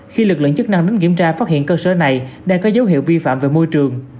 khi lực lượng chức năng đến kiểm tra phát hiện cơ sở này đang có dấu hiệu vi phạm về môi trường